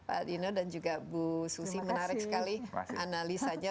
pak dino dan juga bu susi menarik sekali analisanya